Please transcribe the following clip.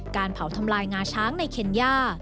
การเผาทำลายงาช้างในเคนย่า